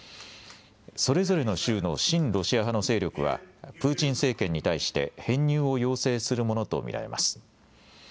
それぞれの州の親ロシア派の勢力は、プーチン政権に対して編入を要請するものと見られます。